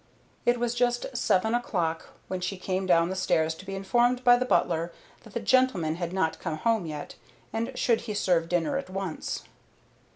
It was just seven o'clock when she came down the stairs to be informed by the butler that the gentlemen had not come home yet, and should he serve dinner at once?